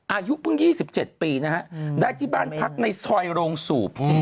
อายุเพิ่ง๒๗ปีนะฮะได้ที่บ้านพักในซอยโรงสูบ